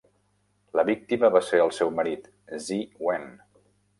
La víctima va ser el seu marit Zi Wen.